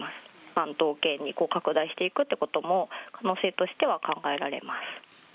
関東圏に拡大していくってことも、可能性としては考えられます。